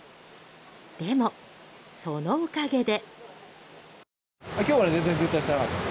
でも、そのおかげで。